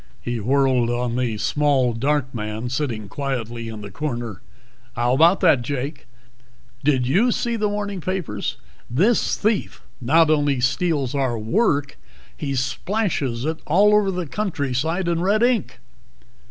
He whirled on the small dark man sitting quietly in the corner. "How about that, Jake? Did you see the morning papers? This thief not only steals our work, he splashes it all over the countryside in red ink."